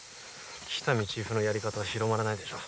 喜多見チーフのやり方は広まらないでしょ